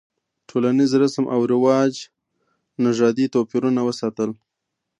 ټولنیز رسم او رواج نژادي توپیرونه وساتل.